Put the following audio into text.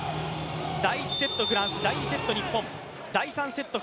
第１セット、フランス、第２セット、日本、第３セット